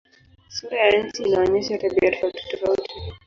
Sura ya nchi inaonyesha tabia tofautitofauti.